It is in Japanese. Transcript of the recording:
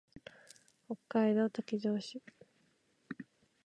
北海道滝上町